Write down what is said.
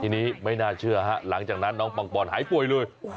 ทีนี้ไม่น่าเชื่อฮะหลังจากนั้นน้องปังปอนหายป่วยเลย